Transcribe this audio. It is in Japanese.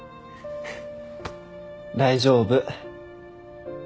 大丈夫。